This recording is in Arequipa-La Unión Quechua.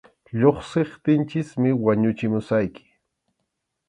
Lluqsiptinchikmi wañuchimusqayki.